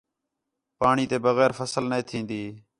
پاݨی تے بغیر فصل نے تِھین٘دی